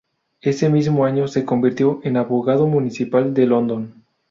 Ese mismo año se convirtió en abogado municipal de London.